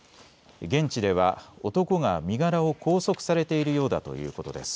現地では男が身柄を拘束されているようだということです。